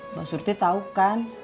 mbak surti tau kan